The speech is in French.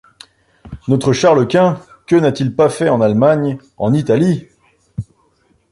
Notre Charles-Quint, que n'a-t-il pas fait en Allemagne, en Italie !